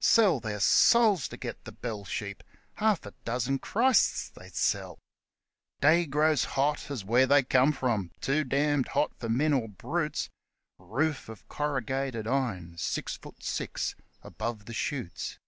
Sell their souls to get the bell sheep half a dozen Christs they'd sell ! Day grows hot as where they come from too damned hot for men or brutes ; Roof of corrugated iron, six foot six above the shoots